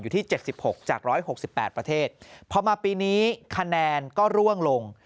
อยู่ที่เจ็ดสิบหกจากร้อยหกสิบแปดประเทศพอมาปีนี้คะแนนก็ร่วงลง